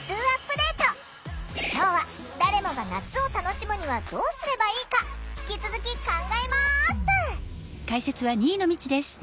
今日は誰もが夏を楽しむにはどうすればいいか引き続き考えます！